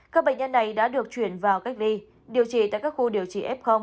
các bệnh nhân này đã được chuyển vào cách ly điều trị tại các khu điều trị f